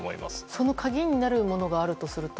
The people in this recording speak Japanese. その鍵になるものがあるとすると？